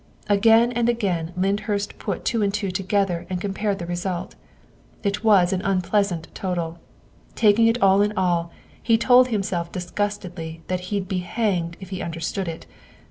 Again and again Lyndhurst put two and two together and compared the result. It was an unpleasant total, taking it all in all, and he told himself disgustedly that he'd be hanged if he understood it.